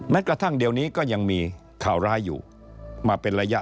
กระทั่งเดี๋ยวนี้ก็ยังมีข่าวร้ายอยู่มาเป็นระยะ